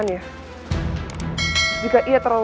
saya ingini davul saja